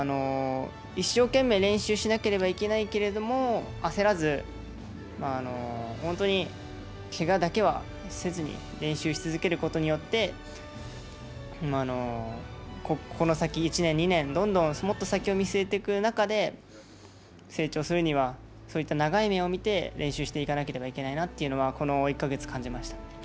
一生懸命練習しなければいけないけれども、焦らず、本当にけがだけはせずに練習し続けることによって、この先１年、２年、どんどんもっと先を見据えていく中で、成長するには、そういった長い目を見て練習していかなければいけないなというのは、この１か月、感じました。